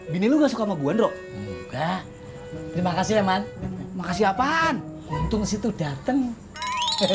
bini lu suka mau gue enggak terima kasih ya man makasih apaan untuk situ dateng hehehe